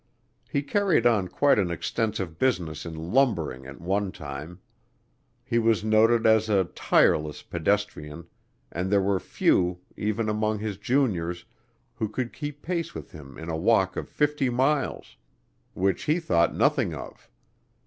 He carried on quite an extensive business in lumbering at one time. He was noted as a tireless pedestrian and there were few, even among his juniors, who could keep pace with him in a walk of fifty miles, which he thought nothing of.